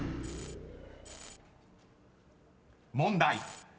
［問題］